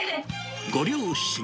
ご両親。